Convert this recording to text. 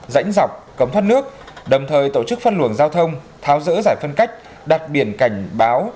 rãnh dọc cống thoát nước đồng thời tổ chức phân luồng giao thông tháo rỡ giải phân cách đặt biển cảnh báo